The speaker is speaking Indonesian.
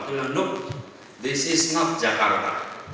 tidak ini bukan jakarta